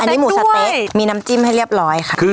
อันนี้หมูสะเต๊ะมีน้ำจิ้มให้เรียบร้อยค่ะ